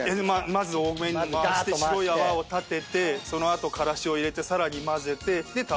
まず多めに回して白い泡を立ててその後からしを入れてさらに混ぜてたれを入れていただく。